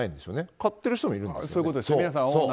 買ってる人もいるんですよね。